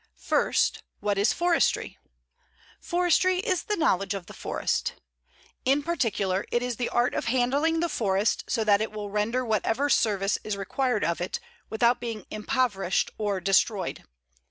First, What is forestry? Forestry is the knowledge of the forest. In particular, it is the art of handling the forest so that it will render whatever service is required of it without being impoverished or destroyed.